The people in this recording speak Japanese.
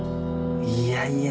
いやいや。